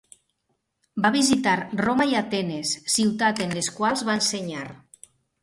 Va visitar Roma i Atenes, ciutats en les quals va ensenyar.